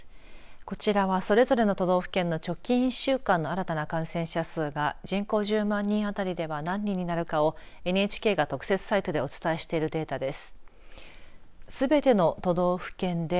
こちらは、それぞれの都道府県の直近１週間の新たな感染者数が人口１０万人当たりでは何人になるかをＮＨＫが特設サイトでお伝えしているデータです。